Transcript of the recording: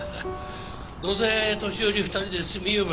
どうせ年寄り２人で住みゆば